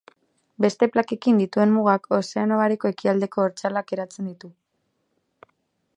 Beste plakekin dituen mugak, Ozeano Bareko Ekialdeko dortsalak eratzen ditu.